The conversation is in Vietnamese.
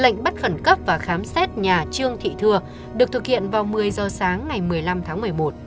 lệnh bắt khẩn cấp và khám xét nhà trương thị thưa được thực hiện vào một mươi giờ sáng ngày một mươi năm tháng một mươi một